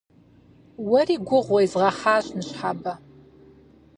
Уэри гугъу уезгъэхьащ ныщхьэбэ.